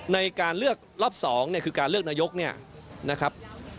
ในการเลือกรอบ๒เนี่ยคือการเลือกนายกเนี่ยนะครับ